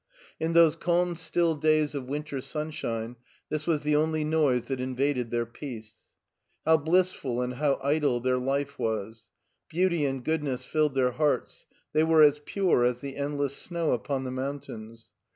In those calm still days of winter sunshine this was the only noise that invaded their peace. How blissful and how idle their life was. Beauty and goodness filled their hearts, they were as pure as the endless snow upon the mountain^.